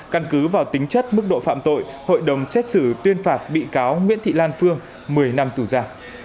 căn cứ vào tính chất mức độ phạm tội hội đồng xét xử tuyên phạt bị cáo nguyễn thị lan phương một mươi năm tù ra